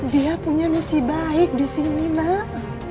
dia punya misi baik di sini nak